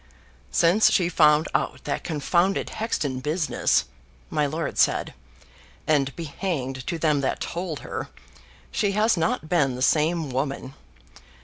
"Since she found out that confounded Hexton business," my lord said "and be hanged to them that told her! she has not been the same woman.